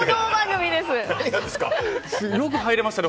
よく入れましたね